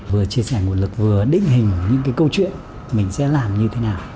vừa chia sẻ nguồn lực vừa định hình những cái câu chuyện mình sẽ làm như thế nào